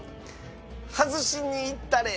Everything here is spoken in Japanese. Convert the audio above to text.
外しにいったれ！